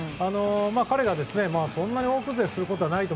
彼がそんなに大崩れすることはないかと。